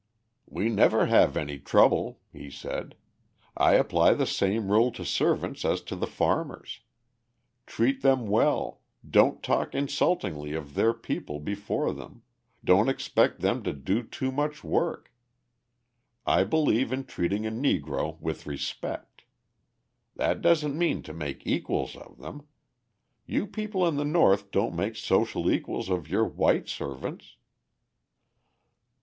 "We never have any trouble," he said. "I apply the same rule to servants as to the farmers. Treat them well, don't talk insultingly of their people before them, don't expect them to do too much work. I believe in treating a Negro with respect. That doesn't mean to make equals of them. You people in the North don't make social equals of your white servants."